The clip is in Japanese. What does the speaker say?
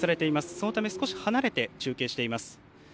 そのため少し離れて中継しています。